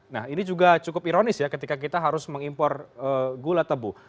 nah ini juga cukup ironis ya ketika kita harus mengimpor gula tebu